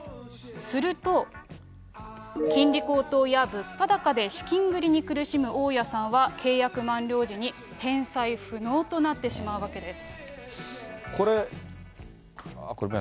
すると、金利高騰や物価高で資金繰りに苦しむ大家さんは、契約満了時に返済不能となってしまうわけです。